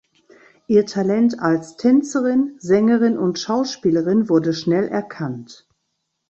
Ihr Talent als Tänzerin, Sängerin und Schauspielerin wurde schnell erkannt.